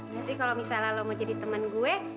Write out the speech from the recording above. berarti kalau misalnya lo mau jadi teman gue